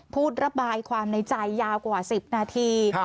พูดระบายความในใจยาวกว่า๑๐นาที